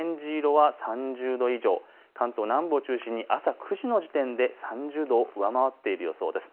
オレンジ色は３０度以上、関東南部を中心に朝９時の時点で３０度を上回っている予想です。